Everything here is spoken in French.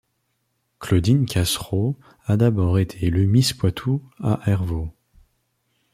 Claudine Cassereau a d'abord été élue Miss Poitou à Airvault.